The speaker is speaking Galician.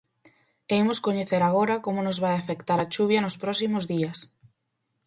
E imos coñecer agora como nos vai afectar a chuvia nos próximos días.